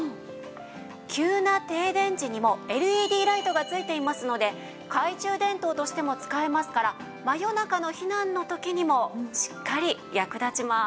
急な停電時にもＬＥＤライトが付いていますので懐中電灯としても使えますから真夜中の避難の時にもしっかり役立ちます。